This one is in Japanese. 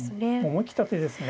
思い切った手ですね。